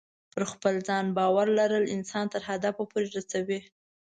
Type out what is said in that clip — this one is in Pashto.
پر خپل ځان باور لرل انسان تر هدف پورې رسوي.